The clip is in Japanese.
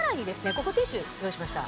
ここティッシュ用意しました。